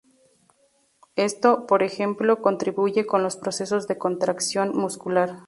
Esto, por ejemplo, contribuye con los procesos de contracción muscular.